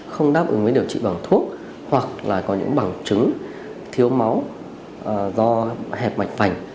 không đáp ứng với điều trị bằng thuốc hoặc là có những bằng chứng thiếu máu do hẹp mạch vành